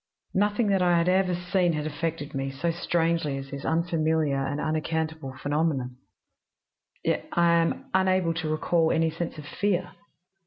"Nothing that I had ever seen had affected me so strangely as this unfamiliar and unaccountable phenomenon, yet I am unable to recall any sense of fear.